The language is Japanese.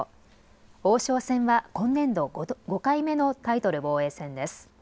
王将戦は今年度５回目のタイトル防衛戦です。